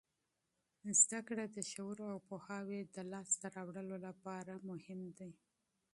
زده کړه د شعور او پوهاوي د لاسته راوړلو لپاره مهم دی.